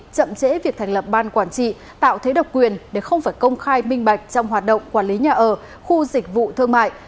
chậm trễ việc thành lập ban quản trị tạo thế độc quyền để không phải công khai minh bạch trong hoạt động quản lý nhà ở khu dịch vụ thương mại